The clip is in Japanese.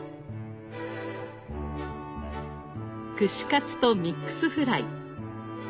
串カツとミックスフライ。